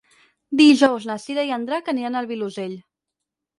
Dijous na Cira i en Drac aniran al Vilosell.